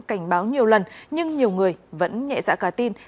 cảnh báo nhiều lần nhưng nhiều người vẫn nhẹ dạ cả tin